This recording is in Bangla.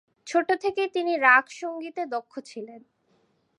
ছোট থেকেই তিনি রাগ সংগীতে দক্ষ ছিলেন।